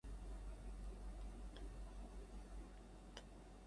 D acu ay yessefk ad t-geɣ sakkin?